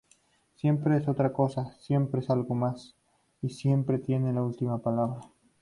Siempre es otra cosa, siempre es algo más, y siempre tiene la última palabra.